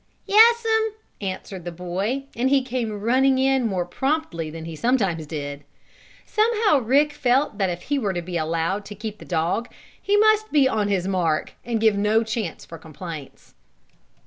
"Yes'm!" answered the boy, and he came running in more promptly than he sometimes did. Somehow Rick felt that if he were to be allowed to keep the dog he must be "on his mark," and give no chance for complaints.